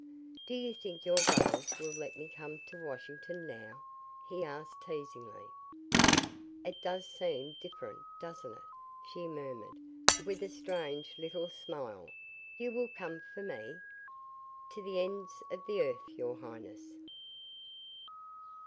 "Do you think your brothers will let me come to Washington, now?" he asked teasingly. "It does seem different, doesn't it?" she murmured, with a strange little smile, "You will come for me?" "To the ends of the earth, your highness."